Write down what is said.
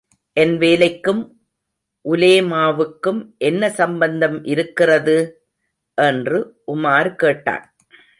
என் வேலைக்கும் உலேமாவுக்கும் என்ன சம்பந்தம் இருக்கிறது? என்று உமார் கேட்டான்.